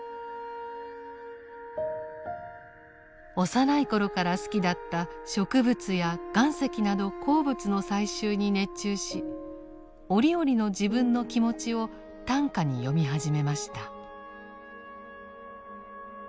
幼い頃から好きだった植物や岩石など鉱物の採集に熱中し折々の自分の気持ちを短歌に詠み始めました。